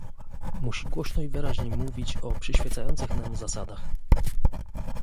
Musi głośno i wyraźnie mówić o przyświecających nam zasadach